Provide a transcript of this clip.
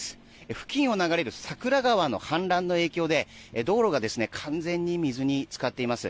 付近を流れる桜川の氾濫の影響で道路が完全に水につかっています。